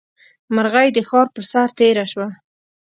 مرغۍ د ښار پر سر تېره شوه.